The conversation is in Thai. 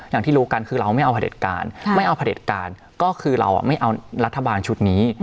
อย่างที่รู้กันคือเราไม่เอาผลิตการไม่เอาผลิตการก็คือเราไม่เอารัฐบาลชุดนี้